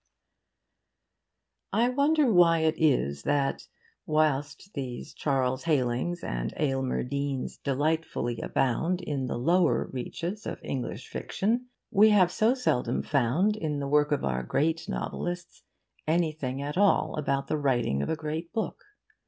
I wonder why it is that, whilst these Charles Hailings and Aylmer Deanes delightfully abound in the lower reaches of English fiction, we have so seldom found in the work of our great novelists anything at all about the writing of a great book.